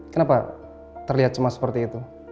kenapa terlihat cemas seperti itu